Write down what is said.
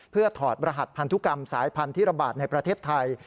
เพื่อถอดรหัสพันธุกรรมสายพันธุ์ที่ระบาดในประเทศไทย